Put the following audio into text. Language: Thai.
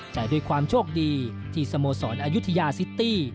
แต่ด้วยความโชคดีที่สโมสรอายุทยาซิตี้